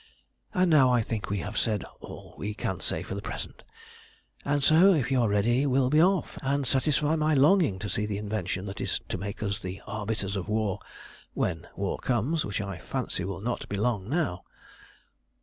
And now I think we have said all we can say for the present, and so if you are ready we'll be off and satisfy my longing to see the invention that is to make us the arbiters of war when war comes, which I fancy will not be long now."